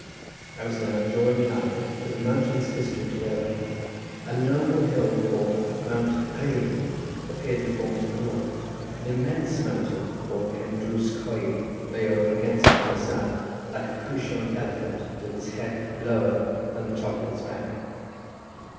I was now drawing nigh to the mountainous district of Eryri—a noble hill called Mount Eilio appeared before me to the north; an immense mountain called Pen Drws Coed lay over against it on the south, just like a couchant elephant, with its head lower than the top of its back.